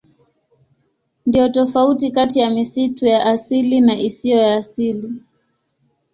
Ndiyo tofauti kati ya misitu ya asili na isiyo ya asili.